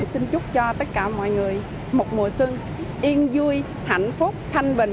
xin chúc cho tất cả mọi người một mùa xuân yên vui hạnh phúc thanh bình